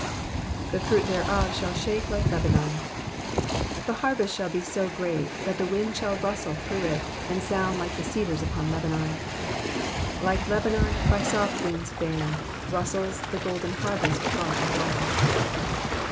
'''•The fruit thereof sliaU shake like Lebanon.'''* The harvest shall be so great that the wind shall rustle through it, and sound like the cedars upon Lebanon :—" Like Lebanon, by soft whids fann'd, Kustles the golden hurveist far and wide."